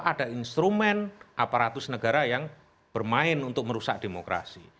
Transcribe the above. ada instrumen aparatus negara yang bermain untuk merusak demokrasi